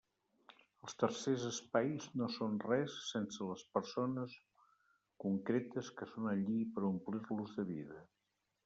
Els tercers espais no són res sense les persones concretes que són allí per a omplir-los de vida.